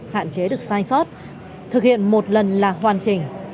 hạn chế được sai sót thực hiện một lần là hoàn chỉnh